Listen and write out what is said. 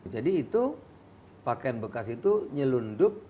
jadi itu pakaian bekas itu nyelundup